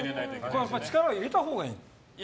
ここは力を入れたほうがいい？